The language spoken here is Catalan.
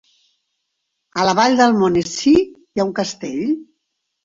A la Vall d'Almonesir hi ha un castell?